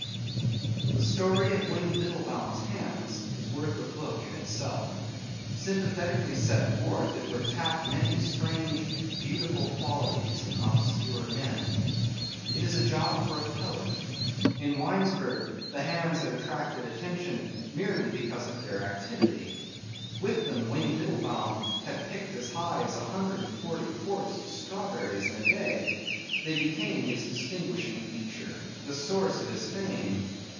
The story of Wing Biddlebaum's hands is worth a book in itself. Sympathetically set forth it would tap many strange, beautiful qualities in obscure men. It is a job for a poet. In Winesburg the hands had attracted attention merely because of their activity. With them Wing Biddlebaum had picked as high as a hundred and forty quarts of strawberries in a day. They became his distinguishing feature, the source of his fame.